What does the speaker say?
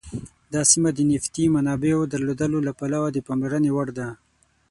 دا سیمه د نفتي منابعو درلودلو له پلوه د پاملرنې وړ ده.